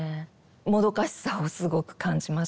もどかしさをすごく感じました。